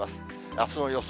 あすの予想